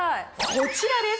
こちらです！